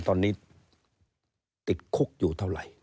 ตอนนี้ติดคุกอยู่เท่าไหร่